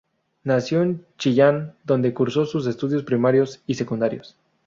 Nació en Chillán, donde cursó sus estudios primarios y secundarios.